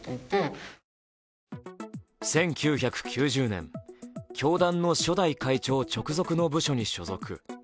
１９９０年、教団の初代会長直属の部署に所属。